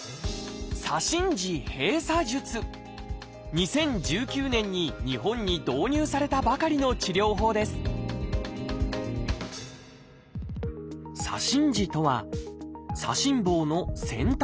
２０１９年に日本に導入されたばかりの治療法です「左心耳」とは左心房の先端の部分。